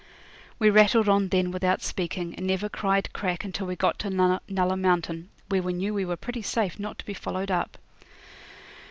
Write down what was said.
We rattled on then without speaking, and never cried crack till we got to Nulla Mountain, where we knew we were pretty safe not to be followed up.